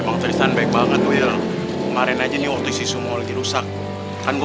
emang tristan baik banget wil kemarin aja nih waktu si sumo lagi rusak kan gue